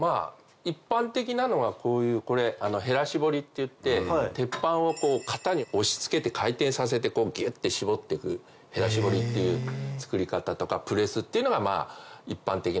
一般的なのはこういうこれへら絞りっていって鉄板を型に押し付けて回転させてギュって絞ってくへら絞りっていう作り方とか。